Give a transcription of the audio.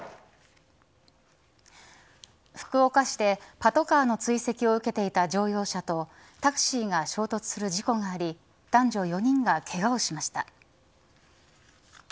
福岡市でパトカーの追跡を受けていた乗用車とタクシーが衝突する事故があり男女４人が、けがをしました。